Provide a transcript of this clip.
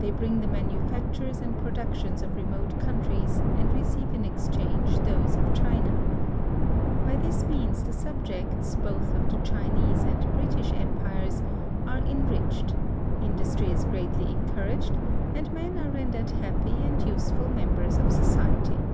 They bring the manufactures and productions of remote countries, and receive in exchange those of China. By this means the subjects, both of the Chinese and British Empires, are enriched, industry is greatly encouraged, and men are rendered happy and useful members of society.